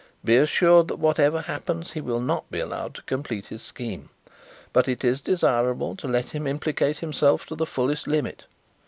Be assured that whatever happens he will not be allowed to complete his scheme; but it is desirable to let him implicate himself to the fullest limit.